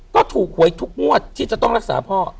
ก็ถูกหวยทุกงวดที่จะต้องรักษาพ่อ